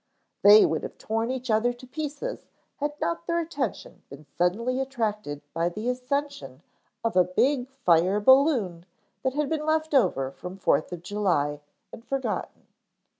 They would have torn each other to pieces had not their attention been suddenly attracted by the ascension of a big fire balloon that had been left over from Fourth of July and forgotten.